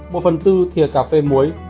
một phần tư thịa cà phê muối